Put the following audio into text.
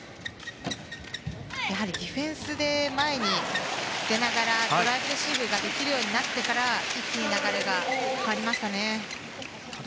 ディフェンスで前に出ながらドライブレシーブができるようになってから一気に流れが変わりました。